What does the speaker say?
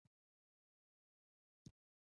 لبنیات هم پکار دي.